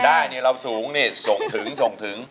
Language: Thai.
ได้นี่เราสูงนี่ส่งถึง